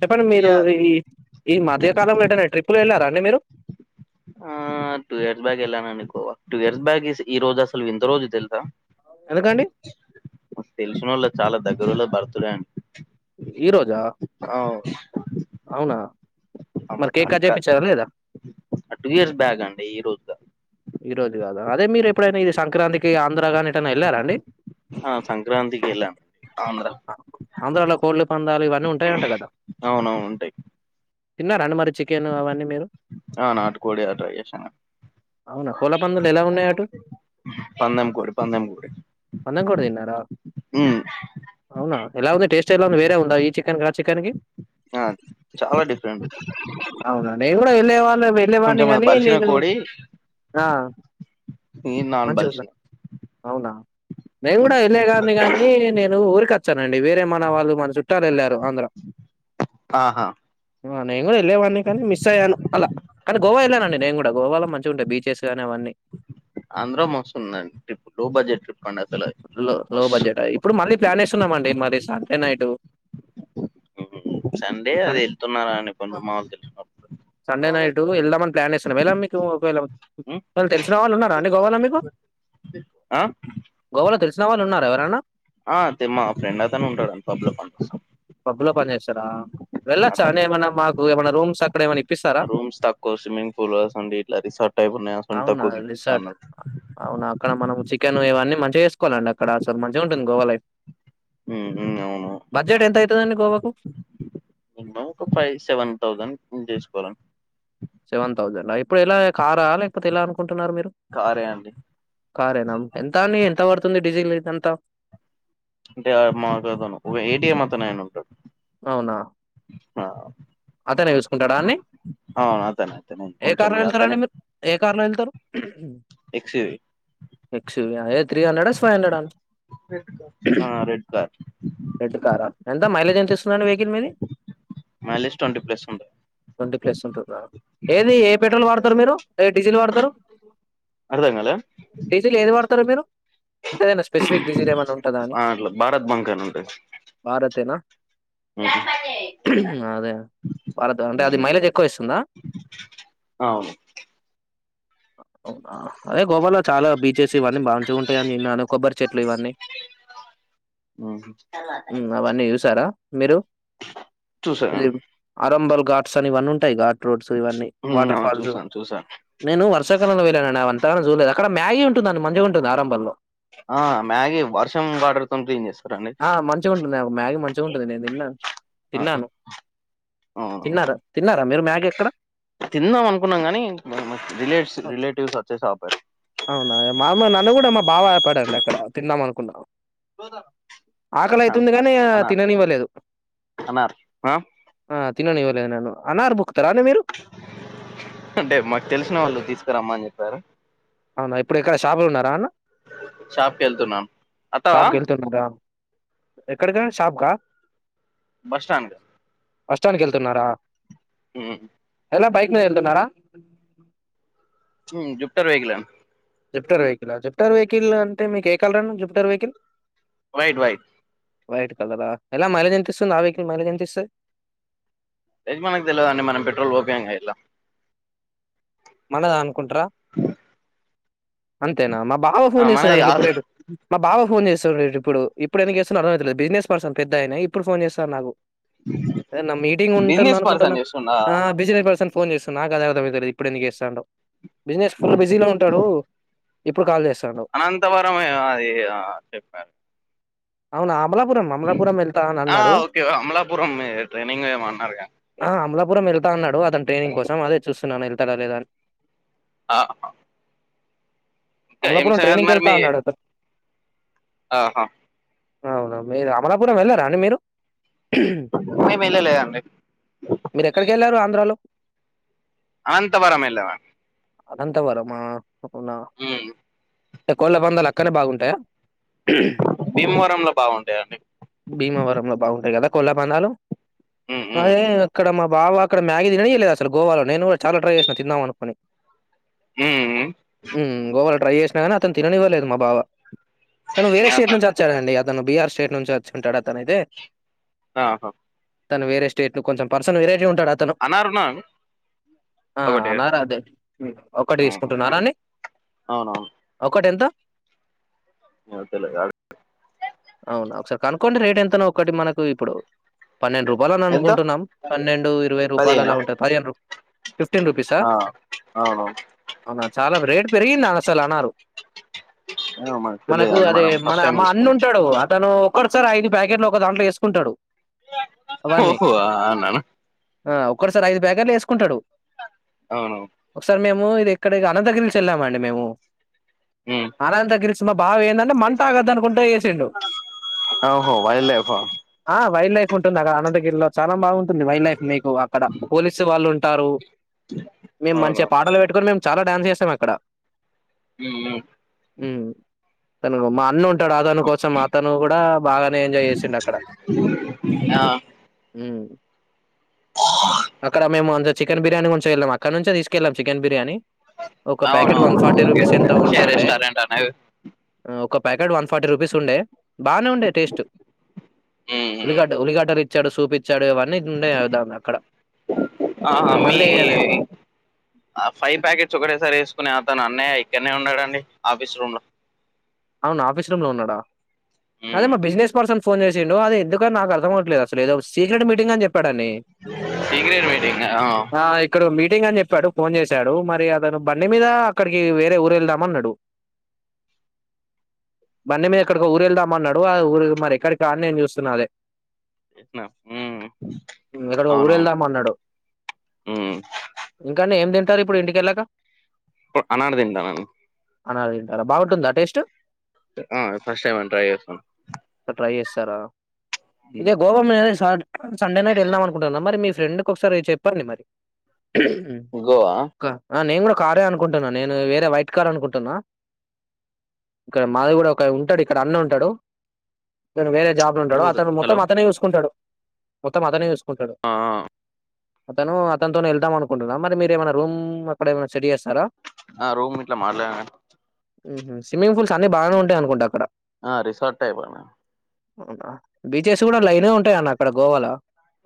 చెప్పండి మీరు ఈ ఈ మధ్యకాలంలో ఏటైనా ట్రిప్ ప్పులు వెళ్ళారా అండి మీరు ఆ టూ ఇయర్స్ బ్యాక్ వెళ్ళానునుకో టూ ఇయర్స్ బ్యాక్ ఈ రోజు అసలు వింత రోజు తెలుసా ఎందుకండి మాకు తెలిసినోళ్లది చాలా దగ్ ఈ ఊర్లో భర్తుడే అండి ఈ రోజా అవునా ఆమ మరి మాకు కేక్ కట్ అక్క చేపిచ్చారా లేదా టూ ఇయర్స్ బ్యాక్ అండి ఈ రోజు గాదు ఈ రోజు గాదా అదే మీరు ఎప్పుడైనా ఇది సంక్రాంతికి ఆంధ్ర గాని ఎటైనా వెళ్ళారా అండి ఆ సంక్రాంతికి ఎల్లాం ఆంధ్రాలో కోళ్ళు పంద్యాలు ఇవన్నీ ఉంటాయంట కదా అవునవును ఉంటాయి తిన్నార అండి మరి చికెన్ అవన్నీ మీరు ఆ నాటు కోడి అట్టా జేషినం అవునా కోళ్ల పందాలు ఎలా ఉన్నాయి అటు పందెం కోడి పందెం కోడి పందెం కోడి తిన్నారా ఉ అవునా ఎలా ఉంది టేస్ట్ ఎలా ఉంది వేరే ఉందా ఈ చికెన్ కి ఆ చికెన్ కి ఆ చాలా డిఫరెంట్ అవునా నేను గుడా వెళ్లేవా [unintelligible] వెళ్ళేవాన్ని కొంచెం అది గాని బలిసిన నేను కోడి ఆ ఇది నాన్ మంచి గుందా బలిసిన అవునా నేను కూడా వెళ్ళ గాన్ని కాని నేను ఊరిక అండి వేరే మన వాళ్ళు మన చుట్టాలు ఎళ్ళారు ఆంధ్ర ఆహా ఆ నే ను వెళ్ళవాడినె కానీ మిస్ అయ్యాను అలా కానీ గోవా వెళ్ళానండి నేను కూడా గోవాలో మంచి డ బీచెస్ కానీ అవన్నీ ఆంధ్ర మస్తు ఉందండి ట్రిప్ లో బడ్జెట్ ట్రిప్ అండి అసలు మస్తు వున్నామండి మరి సండె నైటు సండే అది వెళ్తున్నారా అని [unintelligible] వేళ మీకు ఒకవేళ ఉమ్, ఎవరన్న తెలిసిన వాళ్ళు ఉన్నారా అండి గోవాల మీకు ఆ గోవాలో తెలుస్ తెలిసినవాళ్ళు ఉన్నారు ఎవరన్నా ఆ అతి మా ఫ్రెండ్ అతనే ఉంటాడు పబ్బలొ పనిచేస్ పబ్బులో పని చేస్తారా వెళ్ళొచ్చా అతను అండి ఏమైనా మాకు ఏమైనా రూమ్స్ అక్కడ ఏమైనా ఇప్పిస్తారా రూమ్స్ తక్కువ స్విమ్మింగ్ పూల్ అండి ఇట్లా రిసార్ట్ టైప్ ఉన్నాయ అవునా తక్కువ [unintelligible] రిసార్ట్ అన్నాడు అవునా అక్కడ మనం చికెన్ ఇవన్నీ మంచిగా చేసుకోవాలండి అక్కడ అసలు మంచిగుంటుంది గోవా లైఫ్ ఉ ఉ అవును బడ్జెట్ ఎంత అవుతుందండి గోవాకు మినిమం ఒక ఫైవ్ సెవెన్ థౌసండ్ తీసుకోవాలం సెవెన్ థౌజండ్ అయ్ ఇప్పుడు ఎలా కారా లేకపోతే ఎలా అనుకో [unintelligible] మీరు కారే అండి కారేనా ఎంత అండి ఎంత పడు తుంది డీజిల్ ఇదంతా అంటే మా కతను ఒగ ఏటిఎం అతనాయన ఉంటాడు అవునా ఆ అతనే చూసుకుంటాడు అన్ని అవును అతనే అతనే ఏ కొంచెం కార్లో ఇగ అతనే వెళ్తారండి మీరు ఏ కార్లో వెళ్తారు ఎక్స్వి ఎక్స్వి అ త్రీ హండ్రెడ్ ఫైవ్ హండ్రెడ్ అండి రెడ్ కార్ రెడ్ కారా ఎంత మైలేజ్ ఎంత ఇస్తుందండి మది మైలేజ్ ట్వంటీ ప్లస్ ఉంటది ట్వంటీ ప్లస్ ఉంటు రా ఏది ఏ పెట్రోల్ వాడతారు మీరు ఎ డీజిల్ వాడతారు అర్థం కాలే డీసిల్ ఏది వాడతరు మీరు అంటే ఏదైనా స్పెసిఫిక్ డడిజిల్ ఏమన్నా ఉంటందా అని అట్లా భారత్ ఏనా ఊ ఉ అదే భారత్ అంటే అది మైలేజ్ ఎక్కువ ఇస్తుందా అవును ఆ అదే గోవాలో చాలా బీచెస్ ఇవన్నీ బాంచుగుంటాయని వినను కొబ్బరి చెట్లు ఇవన్నీ ఉమ్. ఊ అవన్నీ చూసారా మీరు టూ సెవెన్ అరంబల్ గాట్స్ అని ఇవన్నీంటాయిఘాట్ రోడ్స్ ఇవన్నీ ఉమ్, వాటర్ అవును ఫాల్స్ చూసాను చూసాను నేను వర్షాకాలంలో వెళ్ళానవన్ తనని జూలేదు అక్కడ మ్యాగీ ఉంటుందండి మంచిగుంటుంది ఆరంభల్లో ఆ మ్యాగీ వర్షం వాటర్తో క్లీన్ చేస్ ఆ మంచిగా ఉంటుంది నాకు ఒక మ్యాగీ మంచిగా ఉంటుంది నేను తిన్నా ఆ! తిన్నాను అవును. తిన్నారా తిన్నారా మీరు మ్యా తిందాం అనుకున్నాం కాని మ రిలేటివ్స్ వచ్చేసాపారు అవునా మా నన్ను కూడా మా బావ ఆపడండి అక్కడ తి ఇదామనుకున్న బస్ ఆకలి స్టాండ్ ఐతుంది కానీ అన్నారు, తిననివ్వలేదు అన్నారు. ఆ! ఆ తిననివ్వలేదు నను అనార్భుక్ అంటే మాకు తెలిసిన వాళ్ళు తీసుకురమ్మ అని చెప్పి సరే అవునా ఇప్పుడు ఎక్కడ షాపులు ఉన్నార అన్న షాప్‌కెళ్తున్నాను. అత్తవా? షాప్కి వెళ్తునరా ఎక్కడికన్న షాప్కా బస్ స్టాండ్ కూ బస్టాండ్కి వెళ్తున్నారా హ ఎలా బైక్ లో వెళ్తున్నార ఊ జుప్టర్ వెహికల్ ఆ జిప్టార్ వెహికల్ జిప్టార్ వెహికల్ అంటే మీకు ఏ కలరాండి జుప్టార్ వెహికల్ వయిట్ వయిట్ వైట్ కలరా ఎలా మైలేజ్ ఎంత ఇస్తుంది ఆ వెహికల్ మైలేజ్ ఎంత ఇస్తుంది ఏది మనకు తెలవదండి మనం పెట్రోల్ పోపియంగా ఇట్లా మనదా అనుకుంట్రా అంతేనా మ బావ ఆ! ఫోన్ చేస్తా మనది దానికి కాదు. ఇప్పుడేడు మా బావ ఫోన్ చేస్ ఇప్పుడు ఇప్పుడు ఎందుకు చేస్తున్నాడో అర్థమవుతలేదు బిజినెస్ పర్సన్ పెద్దాయన ఇప్పుడు ఫోన్ చేస్తారు నాకు ఏదైనా మీటింగ్ ఉంటుంది బిజినెస్ పర్సన్ అనుకుంటాన్నా చేస్తుండా? ఆ బిజినెస్ పర్సన్ ఫోన్ చేస్తున్నా నాకు అదే అర్థమైతది ఇప్పుడు ఎందుకు చేస్తాండో బిజినెస్ ఫుల్ బిజీలో ఉంటాడు ఇప్పుడు కాల్ చేస్తాండు అనంతవరం అయ్య అది చెప్పారు అవునా అమలాపురం అమలాపురం వెళ్తా అని ఆ అన్నాడు ఓకే అమలాపురం ఏదో ట్రెనింగ్ ఏమో అన్నారు గా పురం వెళ్తా అన్నాడు వద్దంటే కోసం అదే చూ [unintelligible] వత్తారా లేదా అని ఆ అమలాపురం ట్రైనింగ్ కి వెళ్తా అన్నాడు అతను ఆహా అవునా మీరు అమలాపురం వెళ్లారా అండి మీరు మేము వెళ్ళలేదండి మీరు ఎక్కడికి వెళ్ళారు ఆంధ్రాలో అనంతవరం వెళ్ళెవండి అనంతవరమా అవునా ఉమ్ కోళ్ళ పందాలు అక్కనే బాగుంటాయా భీమవరంలో బాగుంటాయండి భీమవరంలో బాగుంటాయి కదా కోలా బాణాలు ఉమ్ ఉమ్ అయే అక్కడ మాకు బావా అక్కడ మ్యాగీ తిననీయలేదు అసలు గోవాలో నేను చాలా ట్రై చేసినా తిందాం అనుకుని ఉమ్ ఉమ్ హు గోవాలో ట్రై చేసినా కానీ అతను తిననివ్వలేదు మా బావ తను వేరే స్టేట్ ఆహా నుంచి వచ్చడండి తను బీహార్ స్టేట్ నుంచి వచ్చుంటాడు తన అయితే ఆహా తను వేరే స్టేట్ కొంచెం పర్సన్ వెరైటీ ఉంటాడు అతను అన్నారున్న ఆ నాది అదే ఒకటి ఉహు తీసుకుంటు అండి ఒక్కటి ఎంత అంతేలే కనుక్కొండి రేట్ ఎంతనో ఒకటి మనకు ఇప్పుడు పన్నెండు రూపాయలు ఎంత అనుకుంటున్నాం పన్నెండు ఇరవై పదిహేనా రూపాయలులాంటంది పదిహేను ఫిఫ్టీన్ రూపీస్ ఆ అవును అవునా చాలా రేట్ పెరిగిందిని అసలు అన్నారు ఏమో మనకు తెలియదండి అదే మనం మన ఫస్ట్ టైం మా అన్న చూసుకున్నాం ఉంటాడు అతను ఒక్కడు సార్ ఐదు ప్యాకెట్లు ఒక దాంట్లో వేసుకుంటాడు అవన్నీ ఓహో అవునా ఆ ఒకటే సారీ ఐదు ప్యాకెట్లు వేసు ఉంటాడు అవును మేము ఇది ఎక్కడ అనంతగిరి సైడ్ వెళ్ళామండి మేము ఉమ్ అనంతగిరి సైడ్ బావ ఏందంటే మందు తాగద్దు అనుకుంటే ఎసిండు ఓహో వైల్డ్ లైఫ్ ఆ వైల్డ్ లైఫ్ ఉంటుంది అడ అనంత గిరిలో చాలా బాగుంటుంది వైల్డ్ లైఫ్ మీకు అక్కడ పోలీసు వాళ్ళు ఉంట హు మేము అవును మంచి పాటలు పెట్టుకొని మేము చాలా డ్యాన్స్ చేస్తాం అక్కడ ఆ హు తను మా అన్న కోసం అతను కూడా బాగానే ఎంజాయ్ చేసిండు అక్కడ ఆ హు అక్కడ మేము అంత చికెన్ బిర్యానీ కొంచె వెళ్ళాము అక్క నుంచే తీసుకెళ్ళం చికెన్ బిర్యానీ ఒక అవును packet one forty okay rupees okay ఎంతో ఉంటే అక్షయ ఉండే రెస్టారెంట్ అనేది ఒక ప్యాకెట్ వన్ ఫార్టీ రూపీస్ ఉండే బాగా ఉండే టేస్ట్ ఉమ్ ఉలిడ ఉమ్ ఉల్లిగడలు చెడచుపి చడువి ఇవన్నీ ఇది ఉన్నాయిదాం అక్కడ ఆహా ఇప్పుడు మీ మళ్ళీ ఆ ఫైవ్ ప్యాకెట్స్ ఒకటేసారి వేసుకునే అతను అన్నయ్య ఇక్కడనే ఉన్నాడంండి ఆఫీస్ రూమ్ లో అవును ఆఫీస్ రూమ్ లో ఉన్నాడా అదే ఉమ్, మా బిజినెస్ పర్సన్ ఫోన్ చేసిండడు అది ఎందుకు నాకు అర్థమవ్వట్లేదు అసలు ఏ సీక్రట్ మీటింగ్ అ చెప్పి సీక్రెట్ మీటింగ్ ఆ ఇడ మీటింగ్ అని చెప్పాడు ఫోన్ చేశాడు మరి అతను బండి మీద అక్కడికి వేరే ఊరు వెళ్దాం అన్నాడు బండిమీద ఎక్కడికో ఊరెల్దాం అన్నాడు, ఆ ఊరు మరి ఎక్కడికా అని నేను చూస్తున్నా అదే. చేసినా. ఉమ్ ఎక్కడికో అవునవును ఊరెళ్దాం అన్నాడు, ఉమ్ ఇంకా నేం దెల్ [unintelligible] ఇప్పుడు ఇంటికెళ్లాక? ఒ అనార్ తిందావనీ. అనార్ తింటారా, బావుంటుందా టేస్ట్? ఆ ఫస్ట్ టైం అండి ట్రై చేస్తం. చార ఇదే గోవా మేహే సాద్ సండే నైట్ ఎళ్దాం అనుకుంటున్నా మరి, మీ ఫ్రెండ్ కు ఒకసారి చెప్పండి మరి. గోవా క ఆ నేంగూడా కారే అనుకుంటున్నా, నేను వేరే వైట్ కార్ అనుకుంటున్నా. ఇక్కడ మాది కూడా ఒక ఉంటాడు ఇక్కడ అన్న ఉంటాడు. అతను వేరే జాబ్ లో ఉంటాడు, పోదు. అతను మొత్తం హలో అతనే చూసుకుంటాడు. మొత్తం అతనే చూస్ కుంటడు. ఆ అతను అతనితోనే వెళ్దాం అనుకుంటున్నా మరి మీరు ఏమైనా రూమ్ అక్కడ ఏమైనా సెట్ చేస్తారా? ఆ రూమ్ ఇట్ల మాట్లా హ్మ్హు స్విమ్మింగ్ పూల్స్ అన్నీ బానే ఉంటాయనుకుంట అక్కడ. ఆ రిసార్ట్ టైప్. అవునా బీచెస్ గుడా లైన్ గా ఉంటాయి అన్న అక్కడ గోవాలో.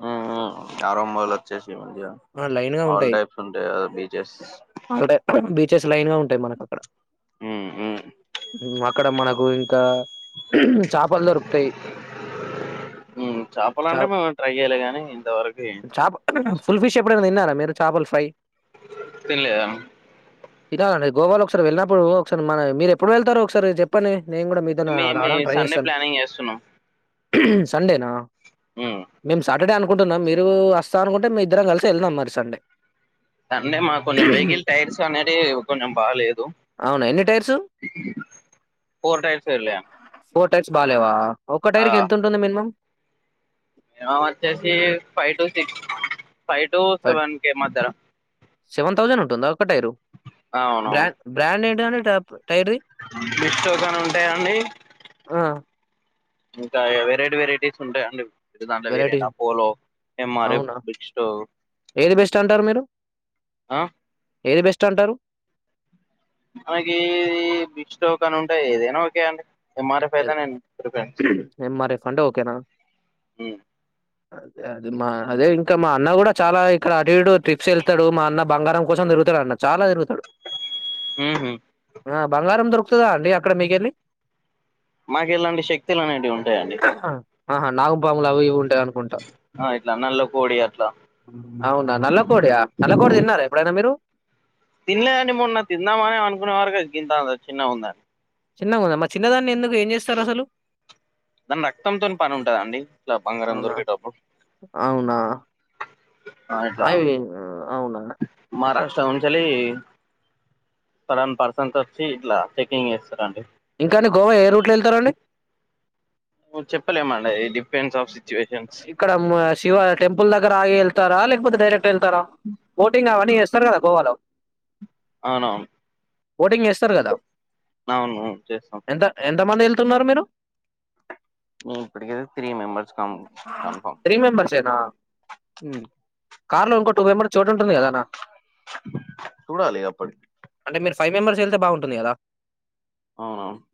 ఆ ఆ ఆరోమ్మాల్ ఒచ్చేషినై మంచిగా ఆ, లైన్ గా ఆల్ ఉంటాయి టైప్స్ ఉంటయి కదా బీచెస్. ఆల్రె బీచెస్ లైన్ గా ఉంటాయి మనకు అక్కడ. ఉమ్ ఉమ్ అక్కడ మనకు ఇంకా చాపలు దొరుకుతై, ఉమ్ చేపలు చా అంటే మేము ట్రై చేయలే గాని ఇంతవరకు చాప ఫుల్ ఫిష్ ఎప్పుడన్న తిన్నా మీరు చాపలు ఫ్రై. తిన్లేదా? ఇదా అండి గోవాలో ఒకసారి వెళినప్పుడూ ఒకస మన మీరు ఎప్పుడు వెళ్తారో ఒకసారి చెప్పండి? నేను గుడా మీతోనే మీ ఆ మీ రావడానికి ట్రై సండే చేస్తన్. ప్లానింగ్ సండేనా? ఆ అక్కడే అనుకుంటున్నా, మీరూ వస్తా అనుకుంటే మీఇద్దరం కలిసి ఎళ్దాం మరి సండే. సండే మాకు కొంజెం వెహికిల్ టైర్స్ అనేటీ కొంజెం బాలేదు. అవునా ఎన్ని టైర్స్ ఫోర్ టైర్స్ ఎర్లయా? ఫోర్ టైప్స్ బాలేవా ఒక్క టైర్కి ఎంతుంటుంది మినిమమ్ మినిమమొచ్చేసి five to six five to five seven కే మద్యలో సెవెన్ థౌజండ్ ఉంటుందా టైరు బ్రాడ్ం టాబ్ మిస్ో కాని ఉంటాయాండి ఆ ఇంకా వెరైటీ వెరైటీస్ ఉంటాయంండి ఇదాంట వేర వెరైటీ ఏంటపోలో ఏ మా అవునా బట ఏది బెస్ట్ అంటారు మీరు ఏది బెస్ట్ అంటారు మనకి బిస్టో క అని ఉంటాయి ఏదైనా ఓకే అండి ఎంఆర్ఎఫ్ అయితే నేను ప్రిఫరెన్స్ ఎం ర్ ఫండ్ ఓకేనా అదే అదే అదే ఇంకా మా అన్న గూడా చాలా ఇక్కడ అటు ఇటు ట్రిప్స్ యెళ్తాడు మా అన్న బంగారం కోసం తిరుగుతాడు అన్న చాలా దరుగుతాడు హ ఆ బంగారం దొరుకుతుదా అండి అక్కడ మీకెళ్ళి మాకు ఇలాంటి శక్తులు అనేవి ఉంటాయండి ఆహా నాగుపాములవి ఇవి ఉ అనుకుంటా ఆ, ఇట్లా నల్ల కోడి అట్లా అవునా నల్లకోడియా నల్లకోడి తిన్నారా ఎప్పుడైనా మీరు తినలేదండి మొన్న తిందామని అనుకునే వరకి గింత అ చిన్న ఉందని చిన్న ఉందమ్మా చిన్నదాన్న్ని ఎందుకు ఏం జేస్తారు అసలు దాని రక్తంతోని పని ఉంటదండి ఇట్లా బంగారం అవునా దొరికేటప్పుడు అవునా ఆ ఇట్లా అవి అవునా ఉంచలి సలాన్ పర్సన్ వచ్చి ఇట్లా చెకింగ్ చేస్తారుండి ఇంకాని గోవా ఎయిర్ూట్ ను చెప్పలేమండ ఏది పన్ సాఫ ఇక్కడ శివ టెంపుల్ దగ్గర ఆగి వెళ్తారా లేకపోతే డైరెక్ట్ వెళ్తారా బోటింగ్ అవని చేస్తారు కదా గోవాలో అవునవును బోటింగ్ చేస్తారు కదా అవునువు చేస్తాం ఎంతమంది వెళ్తున్నారు మీరు మీ ఇప్పుటికి త్రీ మెంబర్స్ కా త్రీ మెంబెర్స్ఎన కార్లో ఇంకో టు మెంబెర్ చోట్ ఉంటుంది కదానా చూడాలి అప్పటికి అంటే మీరు ఫైవ మెంబర్స్ ఎళ్తే బాగుంటుంది కదా అవునవును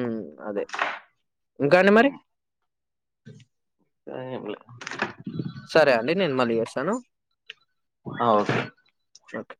ఉ అదే ఇంకా అండి మరి [unintelligible] లే సరే అండి నేను మళ్ళీ చేసాను ఆ, ఓకే ఓకే